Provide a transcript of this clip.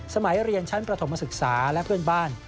สมัยเรียนชั้นประถมศึกษาและเพื่อนบ้าน